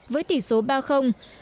với tỷ số ba một mươi một hai